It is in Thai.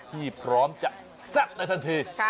ที่พร้อมจะแซ่บในทันที